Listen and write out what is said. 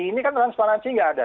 ini kan transparansi nggak ada